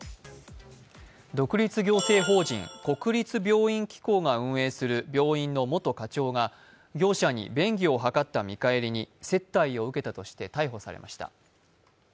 独立行政法人国立病院機構が運営する病院の元課長が業者に便宜を図った見返りに接待を受けたとして逮捕されました。